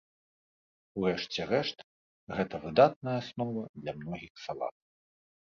У рэшце рэшт, гэта выдатная аснова для многіх салат.